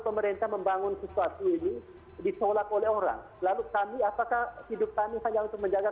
pemerintah membangun sesuatu ini ditolak oleh orang lalu kami apakah hidup kami hanya untuk menjaga